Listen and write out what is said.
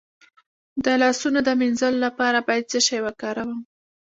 د لاسونو د مینځلو لپاره باید څه شی وکاروم؟